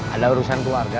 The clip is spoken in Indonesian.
ada urusan keluarga